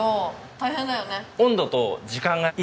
大変だよね。